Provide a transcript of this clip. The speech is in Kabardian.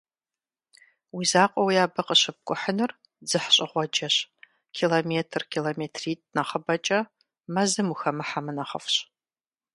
Уи закъуэуи абы къыщыпкӀухьыну дзыхьщӀыгъуэджэщ: километр, километритӀ нэхъыбэкӀэ мэзым ухэмыхьэмэ нэхъыфӀщ.